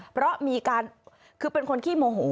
เพราะมีการคือเป็นคนขี้โมโห